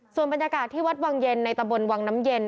ส่วนบรรยากาศที่วัดวังเย็นในตำบลวังน้ำเย็น